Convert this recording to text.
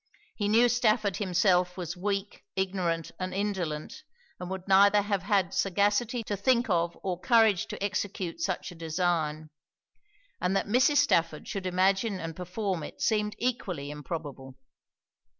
He knew Stafford himself was weak, ignorant, and indolent, and would neither have had sagacity to think of or courage to execute such a design; and that Mrs. Stafford should imagine and perform it seemed equally improbable.